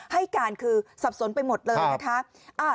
ให้การคือสับสนไปหมดเลยนะคะ